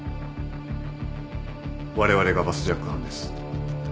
われわれがバスジャック犯です。